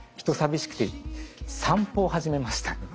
人寂しくて散歩を始めました。